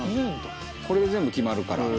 これで全部決まるから。